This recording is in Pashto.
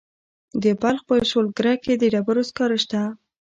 د بلخ په شولګره کې د ډبرو سکاره شته.